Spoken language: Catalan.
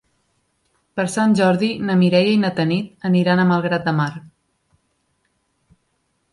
Per Sant Jordi na Mireia i na Tanit aniran a Malgrat de Mar.